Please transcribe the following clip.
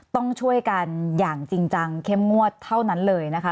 ต้องช่วยกันอย่างจริงจังเข้มงวดเท่านั้นเลยนะคะ